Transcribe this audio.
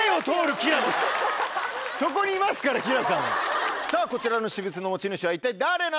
そこにいますからＫｉＬａさん。さぁこちらの私物の持ち主は一体誰なのか？